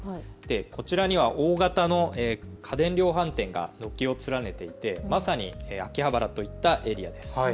こちらには大型の家電量販店が軒を連ねていてまさに秋葉原といったエリアです。